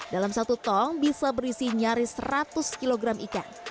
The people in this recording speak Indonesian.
dalam satu tong bisa berisi nyaris seratus kg ikan